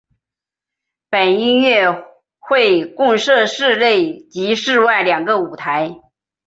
本音乐会共设室内及室外两个舞台。